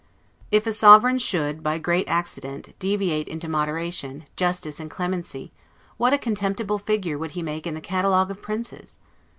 If a sovereign should, by great accident, deviate into moderation, justice, and clemency, what a contemptible figure would he make in the catalogue of princes!